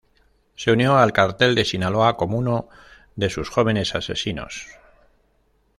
Se unió al Cártel de Sinaloa como uno de sus jóvenes asesinos.